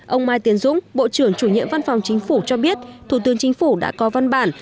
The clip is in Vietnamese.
ông mai tiến dũng bộ trưởng chủ nhiệm văn phòng chính phủ cho biết thủ tướng chính phủ đã có văn bản